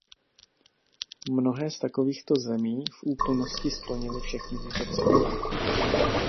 Mnohé z takovýchto zemí v úplnosti splnily všechny tyto cíle.